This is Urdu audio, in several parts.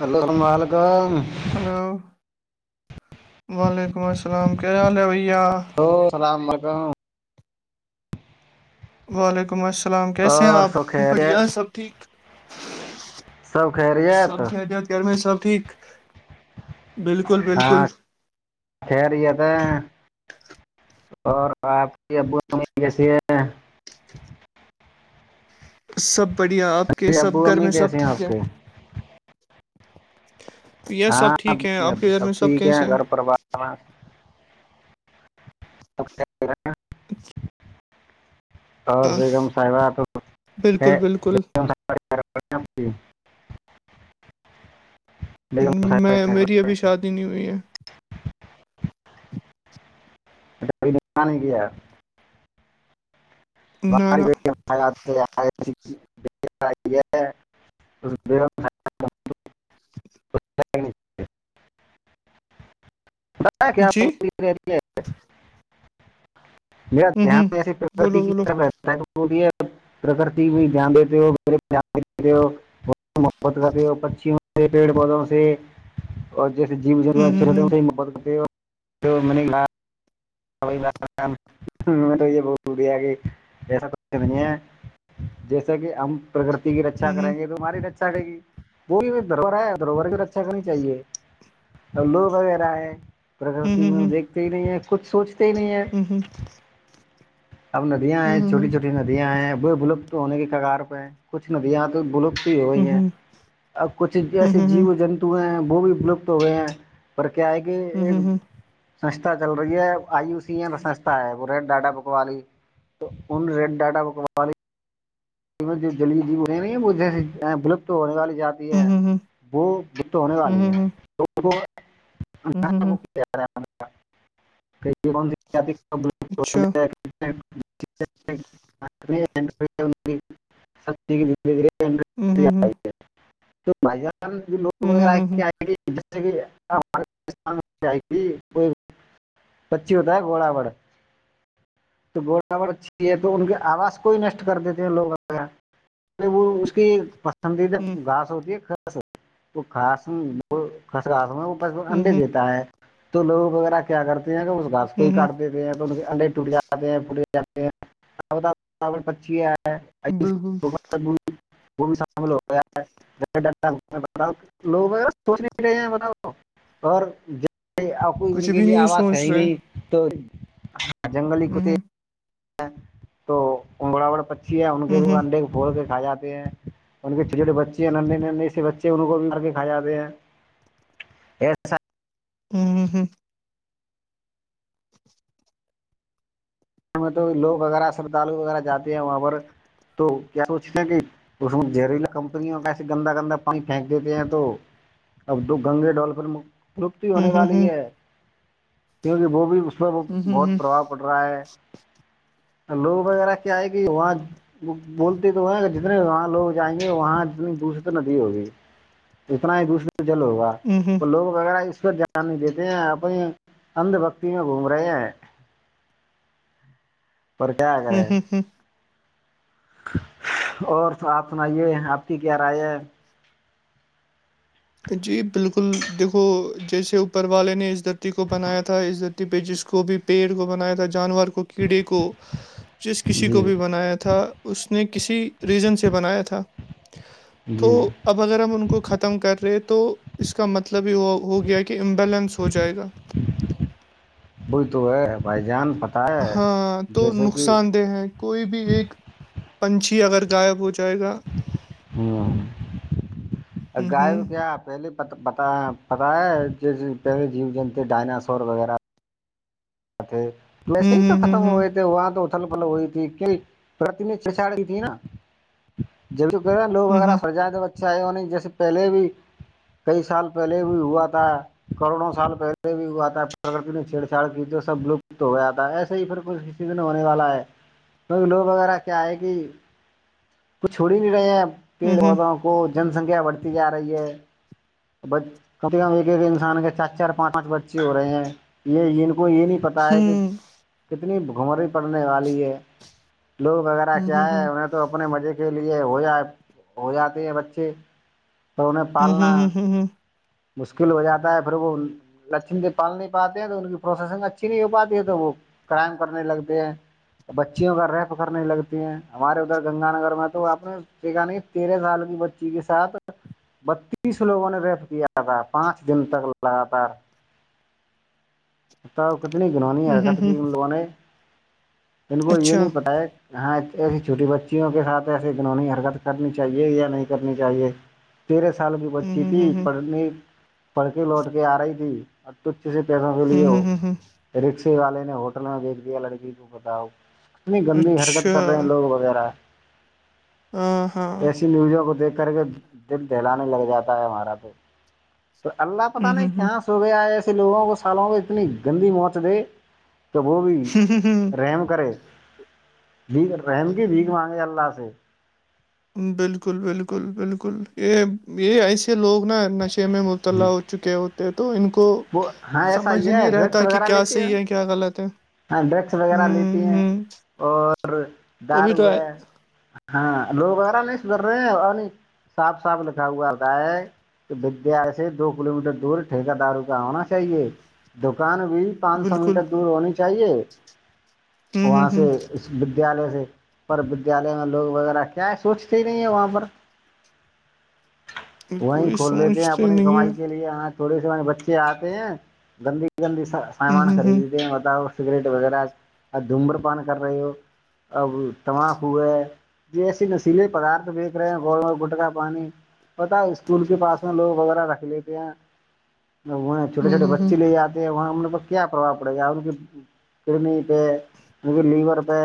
ہلو مالکم ہلو وعلیکم السلام کیا حال ہے بھیا ہیلو السلام علیکم وعلیکم السلام کیسے ہیں اور آپ سب خیریت بڑھیا سب ٹھیک سب خیریت سب ججت گھر میں سب ٹھیک بالکل بالکل خیر یہ تھا اور آپ کی ابو امی کیسی ہے سب بڑھیا آپ کے جی سب ابو گھر میں امی سب کیسے ہیں ٹھیک آپ ہے کے یہ ہاں سب اب ٹھیک ہے آپ کے ابو گھر سب میں ٹھیک ہے کیسے ہیں گھر پروار اب رہ ہیں اچھا اور بیگم صاحبہ تو ہے بالکل بالکل بیم صاب [inaudible] میں میری ابھی شادی نہیں ہوئی ہے ابھی دا نہیں کیا [inaudible] [inaudible] نہ نہ ب کیا جی رہ ہے ا ہ ہ دھیان میں ایسی بولو پرکتی کی بولو طرف ہے پرکتی بھی جان دیتے ہو ہو محبت کرتے بچیوں سے پیڑ پودوں سے اور جس جی ہ جرورت ہ ہ چھوٹے م کرتے میں نےا میں تو یہ بیا کہ ایسا کھ بھی نہیں ہے جیسا کہ ہم پرکتی کی ہ رکشا ہ کریں گے تو ہماری رچا گے گی وہ بھی دھرورر ہے دھروور کی رچھا کرنی چاہیے اور لوگ وغیرہ ہے ہ پرکرتی ہ میں ہ ہ دیکھتے ہی نہیں ہے کچھ سوچتے نہیں ہے ہ ہ ہ اب ندیاں ہ آئے ہ ہ ہ چھوٹی چھوٹی ند ندیاں ہیں وہ بلپت ہونے کے کگار پہ ہیں کچھ ندیاں تو بلپت ہوئی ہیں اب کچھ جسے جیو جنت ہوئے ہیں وہ بھی اپلپت ہو گئے ہیں پر کیا ہے کہ ایک سسھا چل یہ آو س سا ہےی ڈاٹا بکوالی تو ان ریڈ ڈاٹا ب جو جلدی جی نہیں وہ بلپ ہونے والے جاتے ہے وہ لپت ہونے والی ہیں لوگوں ہوں ہوں ہوں اچھا [inaudible] نہیں س توا ہوں لوگ وغیرہ ہوں ہوں ہ آ گی جیسے کہ گی کوئی پچی ہوتا ہے گوڑا بڑ تو برر اھی ہے تو ان کے آواز کوئی نشٹ کر دیتا لوگ وہ اس کی پسندیدہ گاس ہوتی ہے ک وہ کھاس وہ کسخاس میں وہ بس انڈے دیتا ہے تو لوگ وغیرہ کیا کرتے ہیں کہ اس گاس کو ہی کاٹتےتے انڈے ٹوٹ جاتے ہیں پٹے جاتے ہیںول پچیا بالکل وہ بھی شامل ہو گیا ہے لوگ سوچ نہیں رہے ہیں وہ اور کوئی کچھ ان کے بھی لیے نہیں آواز ہے سوچ ہی رہے نہیں تو ہاں جنگلی ک ہ تو اگڑاوڑ پچھی ہے ان کے بھی ہ انڈے پھول کے کھائے جاتے ہیں ان کے چھوٹے چھوٹے بچے ہیں نے نے سے بچے ان کو مار کے کھائے جاتے ہیں ایسا ہاں تو لوگ وغیرہ سرتالو وغیرہ جاتے ہیں وہاں پر تو کیا سوچتے ہیں کہ اس میں زہریلا کمپنیوں کا کیسے گندا گندا پانی پھینک دیتے ہیں تو اب دو گنگے ڈالفر تپتی ہونے ہ والی ہے کیونکہ وہ بھی اس پر بہت پرباؤ پڑ رہا ہے لوگ وغیرہ کیا آئے گی وہاں وہ بولتے تو ہے جتنے وہاں لوگ جائیں گے وہاں جتنی دشت ندی ہوگی اتنا ہی دوسرے سے جل ہوگا تو لوگوں وغیرہ اس کو دھیان نہیں دیتے ہیں اپنی اندھ بھکتی میں گھوم رہے ہیں پر کیا کرے ہیں اور آپ سنائیے آپ کی کیا رائے ہے جی بالکل دیکھو جیسے اوپر والے نے اس دھرتی کو بنایا تھا اس دھرتی پہ جس کو بھی پیڑ کو بنایا تھا جانور کو کیڑے کو جس کسی کو جی بھی بنایا تھا اس نے کسی ریجن سے بنایا تھا تو جی اب اگر ہم ان کو ختم کر اسپرے تو اس کا مطلب ہی ہو ہو گیا کہ امبیلنس ہو جائے گا بئی تو ہے بھائی جان پتہ ہے ہاں تو جیسے کہ نقصان دہ ہے کوئی بھی ایک پنچھی اگر غائب ہو جائے گا ہوں اور ہوں گائے تو ہوں کیا آپ پہلے پتا پتا ہے جی پہلے جیو جنتی ڈائناسور وغیرہ تھے مسے ہی تو ہوں ہوں ختم ہوں ہوئے تھے وہاں تو اتل پل ہوئی تھی پرنی چچاڑی تھی نا جب کہ لوگ وغیرہ ہوں سر جائے تو چاہے ہو نہیں جیسے پہلے بھی کئی سال پہلے بھی ہوا تھا کروڑوں سال پہلے بھی ہوا تھا پرر نے چھیڑ چاڑ کی تو سب لپت ہویا تھا ایسے ہی فر ک کسی دن ہونے والا ہے لو وغیرہ کیا آئے گی کچھ چھوڑی نہیں رہے ہیں پیڑ ہوں ہوں پودوں کو جن سنکھیا بڑھتی جا رہی ہے کم سے کم ایک ایک انسان کے چار چار پانچ پانچ بچے ہو رہے ہیں یہ ان کو یہ نہیں پت ہے کہ ہوں کتنی گھمری پڑنے والی ہے لوگ وغیرہ ہوں کیا ہوں ہے انہیں تو اپنے مزے کے لیے ہو جائے ہو جاتے ہیں بچے تو انہیں پالنا ہوں ہوں مشکل ہو جاتا ہے پھر وہ لکچمی د پال نہیں پاتے ہیں تو ان کی پروسیسنگ اچھی نہیں ہو پاتی ہے تو وہ کرائم کرنے لگتے ہیں بچیوں کا رہ پکر نہیں لگتی ہیں ہمارے ادھر گنگ نگر میں تو وہ اپنے یہ کہ نہیں تیرہ سال کی بچی کے ساتھ بتیس لوگوں نے کیا تھا پانچ دن تک لگاتار تا کتنی گنوانی ہوں حرکت کی ہوں ان لوگوں نے ان کو یہ اچھا نہیں پتا ہے ہاں ایسی چھوٹی بچیوں کے ساتھ ایسے گنہنی حرکت کرنی چاہیے یا نہیں کرنی چاہیے تیرہ سال کی ہوں بچی ہوں تھی ہوں پڑھنے پڑھ کے لوٹ کے آ رہی تھی ا تو اچھے سے پیسہ ہوں ہوں بو ہوں ہوں رسیے والے نے ہوٹل میں بیچ دیا لڑکی کو بتاؤ اتنی گندی حرکت اچھا کر رہے ہیں لوگ وغیرہ ہاں ہاں ایسی نیوزوں کو دیکھ کر کے دل دہلانے لگ جاتا ہے ہمارا تو تو اللہ پتہ ہوں نہیں ہوں ہوں کہاں سو گ آئے ایسے لوگوں کو سالوں کو اتنی گندی موت دے تو وہ بھی ریم کر بھیک رحم کی بھیک مانگے اللہ سے بالکل بالکل بالکل یہ یہ ایسے لوگ نا نشے میں مبتال چکے ہوتے ہیں تو ان کو وہ ہاں ایسا سمجھ یہ ہے نہیں ڈرگس رہتا کہ وغیرہ کیا لیتی صحیح ہے کیا غلط ہے ہاں ڈرگس وغیرہ لیتی ہوں ہیں ہوں اور تبھی دارو تو ہے ہاں لوگ وغیرہ نہیں سدھر رہے ہیں اور نہیں صاف صاف لکھا ہوا آتا ہے تو ودیا سے دو کلو میٹر دور ٹھیک داروں کا ہونا چاہیے دکان بھی پانچ سو بالکل میٹر دور ہونی چاہیے ہوں وہاں ہ سے اس ودیالیہ سے پر ودیالیہ میں لوگ وغیرہ کیا ہے سوچتے ہی نہیں ہے وہاں پر [unintelligible] [inaudible] ہ وہیں کوئی کھول لیتے ہیں سوچتے اپنی نہیں ہے کمائی کے لیے تھوڑے سے بچے آتے ہیں گندی گندی ہ سامان ہ ہ خریدتے ہیں بتاؤ سگریٹ وغیرہ دھومر پان کر رہے ہو اب تماغ ہوئے ہے ایسے نشیلے پدارتھ بیچ رہے ہیں گوڑ میں گٹکا پانی پتا ہے اسکول کے پاس میں لوگ وغیرہ رکھ لیتے ہیں وہ چھوٹے چھوٹے ہ بچے ہ لے جاتے ہیں وہاں ہم کو کیا ان کے لیور پہ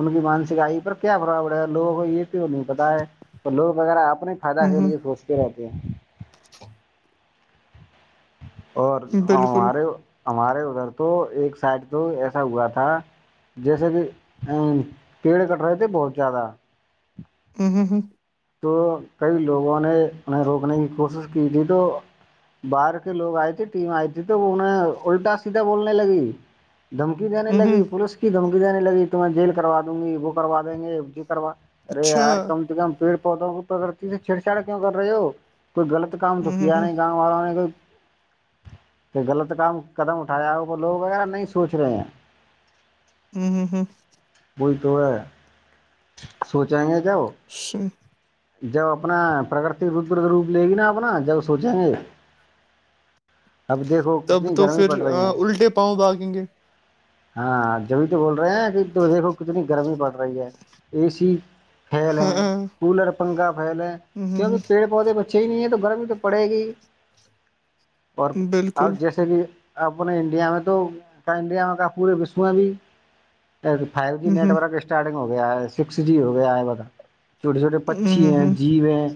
ان کی مانسکائی پر کیا رہا ہے لوگوں کو یہ کیوں نہیں پتا ہے تو لوگ وغیرہ اپنے فائدہ کے ہ لیے سوچتے رہتے ہیں [unintelligible] [inaudible] اور ہ بالکل ہمارے ہمارے ادھر تو ایک سائڈ تو ایسا ہوا تھا جیسے کہ پیڑ کٹ رہے تھے بہت زیادہ ہیم تو کئی لوگوں نے انہیں روکنے کی کوشش کی تھی تو باہر کے لوگ آئے تھے ٹیم آئی تھی تو انہیں الٹا سیدھا بولنے لگی دم دمکی دینے ہ ہ لگی پولیس کی دھمکی دینے لگی تو میں جیل کرا دوں گی وہ کروا دیں گے جی کروا ارے اچھا یار کم سے کم پیڑ پودوں کو پرکرتی سے چھیڑ چھاڑ کیوں کر رہے ہو کوئی غلط کام تو ہ کیا ہ نہیں گاؤ والوں نے کوئی کہ غلط کام قدم اٹھایا ہو وہ لوگ وغیرہ نہیں سوچ رہے ہیں ہوں ہ ہوں وہی تو ہے سوچیں گے کیا ہو [unintelligible] [inaudible] جب اپنا پرکتی روپ لے گی نا اپنا جب سوچیں گے اب دیکھ تب تو پھر الٹے پاؤں بھاگیں گے ہاں جبھی تو بول رہے ہیں کہ دیکھو کتنی گرمی پڑ رہی ہے اے سی پھیلیں ہاں کولر پنکھا پھیلیں ہوں ہوں کیونکہ پیڑ پودے بچے ہی نہیں ہے تو گرمی تو پڑے گی ہی اور ہوں بالکل اب جیسے کہ اپنے انڈیا میں تو انڈیا میں کا پورے فائیل کی ہ نیٹ ہ ورک اسٹارٹنگ ہو گیا ہے سکس دی ہو گیا ہے بتا چھوٹے چھوٹے پچھی ہ ہیں ہ جیو ہیں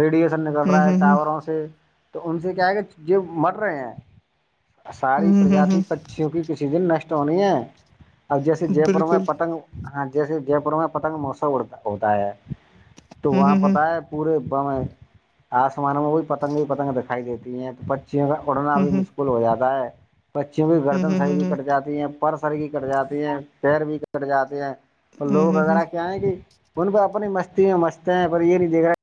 ریڈیشن نکل رہا ہے ٹاوروں سے تو ان سے کیا ہے کہ جو مر رہے ہیں ساری پرجاتی چونکہ کسی دن نشٹ ہونی ہے اب جیسے جے پور میں بالکل پتنگ ہاں جیسے جے پور میں پتنگ موسم اڑتا ہوتا ہے تو ہ وہاں ہ پتا ہے پورے آسمانوں میں وہی پتنگ ہی پتنگ کھائی دیتی ہیں تو پچیوں کا اڑنا ہ بھی ہ مشکل ہو جاتا ہے پچیوں کی گردن صحیح کی کٹ جاتی پر سر بھی کٹ جاتی ہے پیر بھی کٹ جاتے ہیں تو لوگ وغیرہ کیا ہے کہ ان کو اپنی مستی میں مست ہیں پر یہ نہیں دیکھ رہے ہیں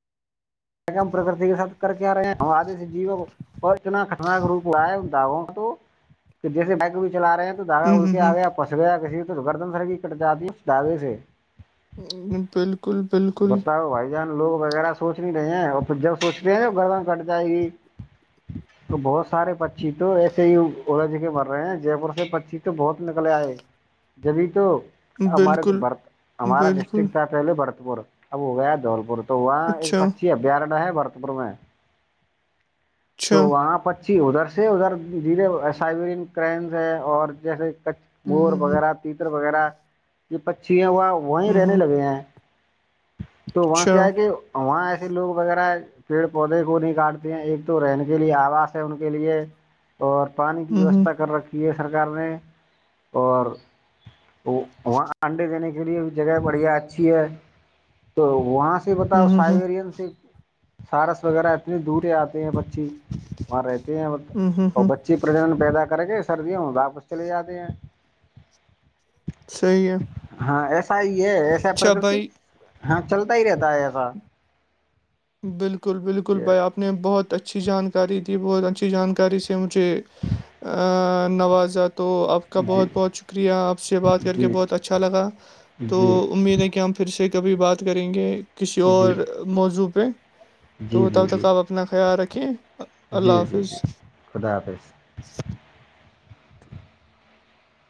ہم پرکرتی کے ساتھ کر کیا رہے ہیں اور آدھی سی اور اتنا خترناک روپ ہوا ہے ان درختوں تو کہ جیسے بائک بھی چلا رہے ہیں تو داگا اڑ کے آگیے پھس گیا کسی تو گردن سر بھی کٹ جاتی ہے اس داغے سے بلکل [inaudible] بتاؤ بھائی جان لوگ وغیرہ سوچ نہیں رہے ہیں اور تو جب سوچ رہے ہیں گردن کٹ جائے گی تو بہت سارے پکچھی تو ایسے ہی الج کے مر رہے ہیں جے پور سے پکچھی تو بہت نکل کے آئے تبھی تو ہمار بالکل ہمارا بالکل ڈسٹرک تھا [inaudible] پہلے برت پور اب ہو گیا دھول پور تو وہاں ایک اچھا [inaudible] گیارڈا ہے برتپور میں تو اچھا وہاں پر [inaudible] ا جی ادھر سے ادھر دھیرے سائبرین کرنس ہے اور جیسے ہ مور ہ وغیرہ تیتر وغیرہ یہ پچی ہیں ہوا وہی رہنے ہ لگے ہیں تو وہاں اچھا کیا ہے کہ وہاں ایسے لوگ وغیرہ پیڑ پودے کو نہیں کاٹتے ہیں ایک تو رہنے کے لیے آوس ہے ان کے لیے اور پانی کی اہم، ویوستھا کر رکھی ہے سرکار نے اور وہاں انڈے دینے کے لیے جگہ بڑھیا اچھی ہے تو وہاں سے بتاؤ اہم، اہم، سائبرین سے سارس وغیرہ اتنے دور ہی آتے ہیں بچ وہاں رہتے ہیں اہم، اور اہم، بچ [inaudible] ا پرجن پیدا کریں گے سردیوں میں واپس چلے جاتے ہیں صحیح ہے ہاں ایسا ہی ہے ایسا اچھا پرکرتی بھائی ہاں چلتا ہی رہتا ہے ایسا بالکل بالکل بھائی آپ نے بہت اچھی جانکاری دی بہت اچھی جانکاری سے مجھے نوازا تو اب آپ کا جی بہت بہت شکریہ آپ سے بات کر کے جی بہت اچھا لگا تو جی امید ہے کہ ہمپ پھر سے کبھی بات کریں گے کسی جی جی اور موضوع پہ تو تب جی جی تک آپ رنا خیال رکھیں [unintelligible] جی اللہ جی جی حافظ خدا حافظ